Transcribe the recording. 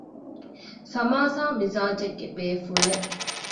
ސަމާސާ މިޒާޖެއްގެ ބޭފުޅެއް